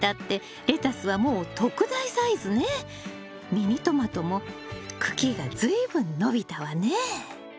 ミニトマトも茎が随分伸びたわね。